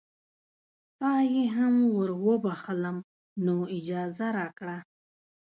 تا یې هم وروبخښلم نو اجازه راکړه.